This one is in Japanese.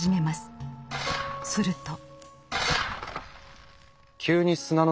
すると。